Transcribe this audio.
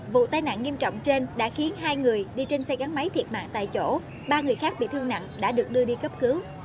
vụ tai nạn nghiêm trọng trên đã khiến hai người đi trên xe gắn máy thiệt mạng tại chỗ ba người khác bị thương nặng đã được đưa đi cấp cứu